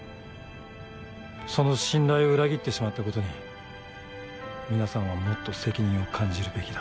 その信頼を裏切ってしまった事に皆さんはもっと責任を感じるべきだ。